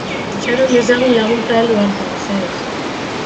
Itxaron dezagun laguntza heldu arte, mesedez.